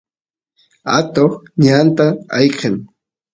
atoq ñanta ayqen